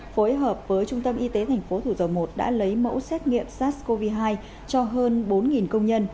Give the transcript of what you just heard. phối hợp với trung tâm y tế tp thủ dầu một đã lấy mẫu xét nghiệm sars cov hai cho hơn bốn công nhân